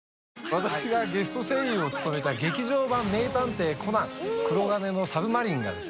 私がゲスト声優を務めた狆貳「名探偵コナン黒鉄の魚影」がですね